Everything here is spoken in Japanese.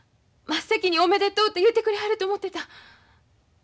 真っ先におめでとうと言うてくれはると思てた。